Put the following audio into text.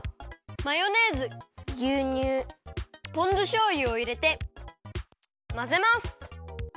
マヨネーズぎゅうにゅうポン酢しょうゆをいれてまぜます。